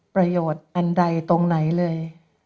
ประโยชน์อันใดตรงไหนเลย